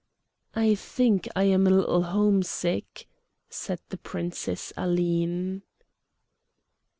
"I think I am a little homesick," said the Princess Aline.